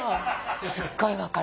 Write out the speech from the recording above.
すっごい分かる。